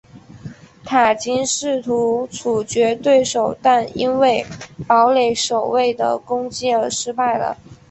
塔金试图处决对手但因为堡垒守卫的攻击而失败了。